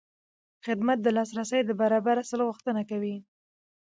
خدمت د لاسرسي د برابر اصل غوښتنه کوي.